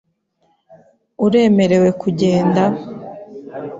Uremerewe kugenda?